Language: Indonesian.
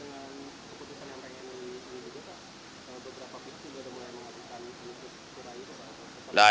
bagaimana berapa keputusan yang sudah mulai mengatakan